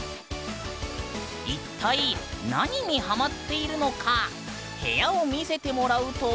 一体何にハマっているのか部屋を見せてもらうと。